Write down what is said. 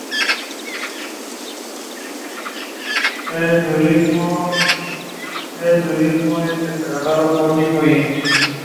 Tiene un hermano menor llamado Peter y habla perfectamente el griego.